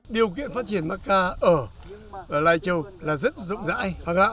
điều kiện phát triển mắc ca ở lai châu là rất rộng rãi